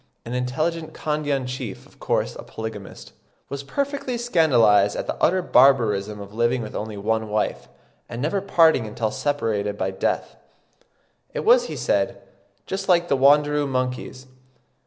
An intelligent Kandyan chief, of course a polygamist, "was perfectly scandalised at the utter barbarism of living with only one wife, and never parting until separated by death." It was, he said, "just like the Wanderoo monkeys."